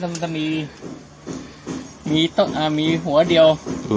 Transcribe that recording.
แต่มันจะเหมือนมันจะมีหัวเด้ง